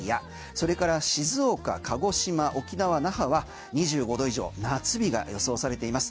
それから静岡、鹿児島沖縄・那覇は２５度以上夏日が予想されています。